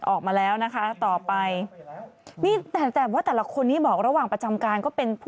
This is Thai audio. ออกมาแล้วนะคะต่อไปนี่แต่แต่ว่าแต่ละคนนี้บอกระหว่างประจำการก็เป็นผู้